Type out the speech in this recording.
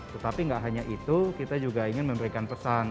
tetapi gak hanya itu kita juga ingin memberikan pesan